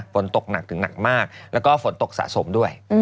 ฝนตกหนักถึงหนักมากแล้วก็ฝนตกสะสมด้วย